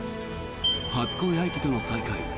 初恋相手との再会。